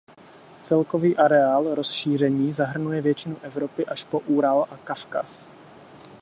Celkový areál rozšíření zahrnuje většinu Evropy až po Ural a Kavkaz.